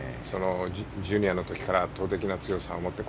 ジュニアの時から圧倒的な強さを持って。